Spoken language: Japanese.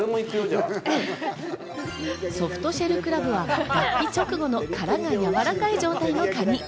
ソフトシェルクラブは脱皮直後の殻がやわらかい状態のカニ。